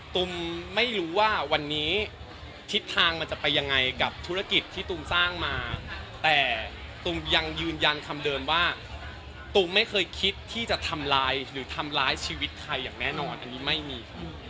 ตูมไม่รู้ว่าวันนี้ทิศทางมันจะไปยังไงกับธุรกิจที่ตุมสร้างมาแต่ตุมยังยืนยันคำเดิมว่าตูมไม่เคยคิดที่จะทำลายหรือทำร้ายชีวิตใครอย่างแน่นอนอันนี้ไม่มี